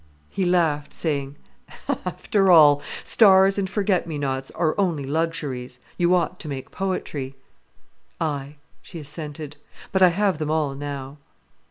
He laughed, saying: "After all, stars and forget me nots are only luxuries. You ought to make poetry." "Aye," she assented. "But I have them all now."